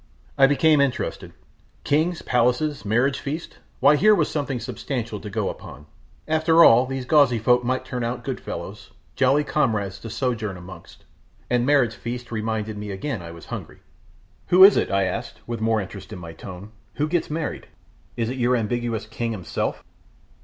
I became interested. Kings, palaces, marriage feasts why, here was something substantial to go upon; after all these gauzy folk might turn out good fellows, jolly comrades to sojourn amongst and marriage feasts reminded me again I was hungry. "Who is it," I asked, with more interest in my tone, "who gets married? is it your ambiguous king himself?"